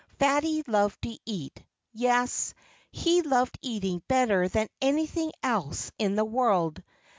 Fatty loved to eat. Yes he loved eating better than anything else in the world.